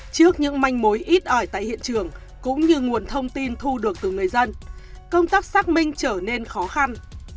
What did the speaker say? trước những manh mối ít ỏi tại hiện trường cũng như nguồn thông tin thu được từ người dân công tác xác minh trở nên khó khăn